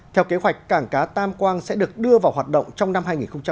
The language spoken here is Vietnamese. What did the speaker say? theo kế hoạch cảng cá tam quang sẽ được đưa vào hoạt động trong năm hai nghìn hai mươi